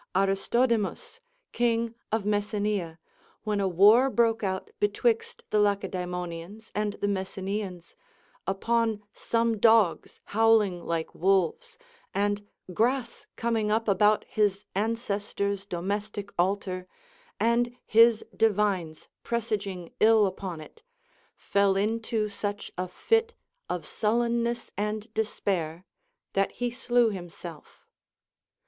Aristodemus, king of Messenia, when a war broke out betwixt the Lacedaemo nians and the Messenians, upon some dogs howling like wolves, and grass coming up about his ancestors' domestic altar, and his divines presaging ill upon it, fell into such a fit of suUeimess and despair that he slew himself.